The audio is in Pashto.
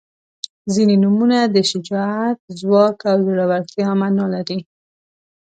• ځینې نومونه د شجاعت، ځواک او زړورتیا معنا لري.